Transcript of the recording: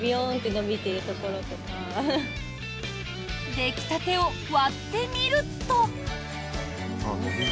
出来たてを割ってみると。